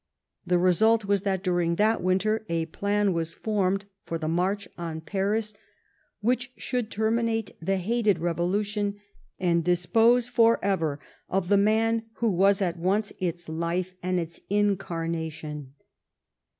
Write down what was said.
The result was that, during that winter, a plan was formed for the march on Paris, which should terminate the hated Revolution, and di>pose for ever of the man who was at once its life and its incarnation.